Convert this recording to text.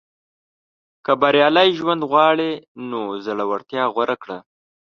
• که بریالی ژوند غواړې، نو زړورتیا غوره کړه.